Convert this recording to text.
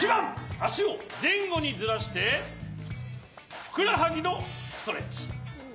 あしをぜんごにずらしてふくらはぎのストレッチ。